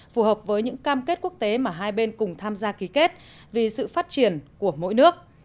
phù hợp với những cam kết quốc tế mà hai bên cùng tham gia ký kết vì sự phát triển của mỗi nước